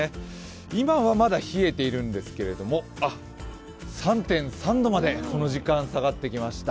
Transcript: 今はまだ冷えているんですけれども、３．３度までこの時間、下がってきました。